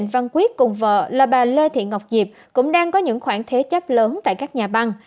văn quyết cùng vợ là bà lê thị ngọc diệp cũng đang có những khoản thế chấp lớn tại các nhà băng